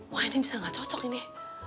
wah ini bisa nggak cocok ini